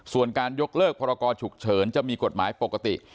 ส่วนการยกเลิกพรกรฉุกเฉินจะมีกฎหมายปกติ